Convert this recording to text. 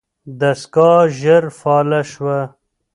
دستګاه ژر فعاله شوه.